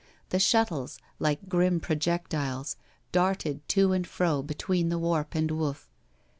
The shuttles, like grim projectiles, darted to and fro between the warp and woof.